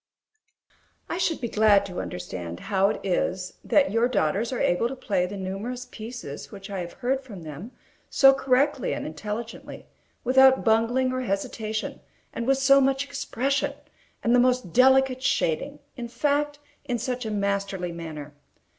I should be glad to understand how it is that your daughters are able to play the numerous pieces which I have heard from them so correctly and intelligently, without bungling or hesitation, and with so much expression, and the most delicate shading; in fact, in such a masterly manner.